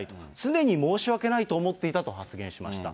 常に申し訳ないと思っていたと発言しました。